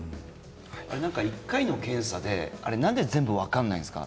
１回の検査でなんで分からないんですか？